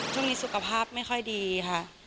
ช่วงนี้สุขภาพไม่ค่อยดีค่ะ